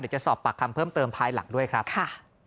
จะสอบปากคำเพิ่มเติมภายหลังด้วยครับค่ะ